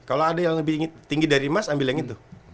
kalau ada yang lebih tinggi dari mas ambil yang itu